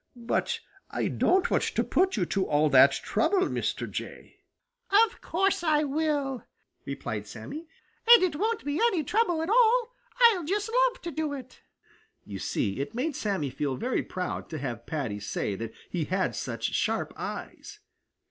But I don't want to put you to all that trouble, Mr. Jay." "Of course I will," replied Sammy, "and it won't be any trouble at all. I'll just love to do it." You see, it made Sammy feel very proud to have Paddy say that he had such sharp eyes.